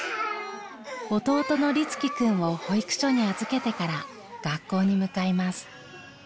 弟の涼月くんを保育所に預けてから学校に向かいます。